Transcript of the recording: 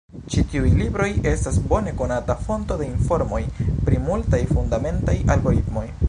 Ĉi tiuj libroj estas bone konata fonto de informoj pri multaj fundamentaj algoritmoj.